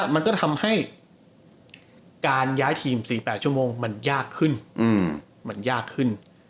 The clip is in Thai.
มันก็ทำให้การย้ายทีม๔๘ชั่วโมงมันยากขึ้น